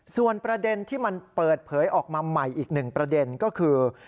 ส่วนประเด็นที่มันเปิดเผยออกมาใหม่อีกหนึ่งประเด็นก็คือ